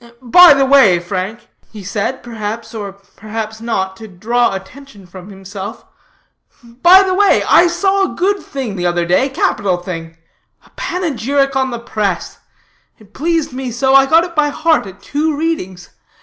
"By the way, Frank," said he, perhaps, or perhaps not, to draw attention from himself, "by the way, I saw a good thing the other day; capital thing; a panegyric on the press, It pleased me so, I got it by heart at two readings.